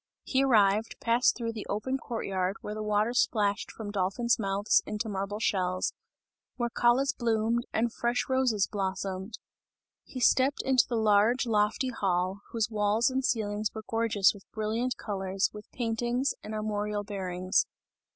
He arrived, passed through the open court yard, where the water splashed from dolphin's mouths into marble shells, where callas bloomed and fresh roses blossomed. He stepped into the large, lofty hall, whose walls and ceilings were gorgeous with brilliant colours, with paintings and armorial bearings.